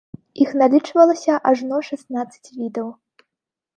Іх налічвалася ажно шаснаццаць відаў.